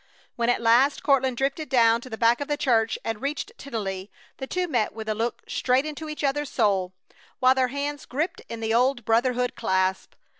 When at last Courtland drifted down to the back of the church and reached Tennelly the two met with a look straight into each other's soul, while their hands gripped in the old brotherhood clasp.